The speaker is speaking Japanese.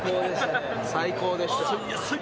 最高でしたね。